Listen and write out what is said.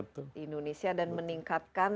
di indonesia dan meningkatkan